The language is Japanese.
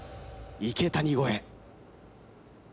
池谷超え